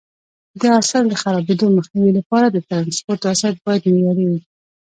د حاصل د خرابېدو مخنیوي لپاره د ټرانسپورټ وسایط باید معیاري وي.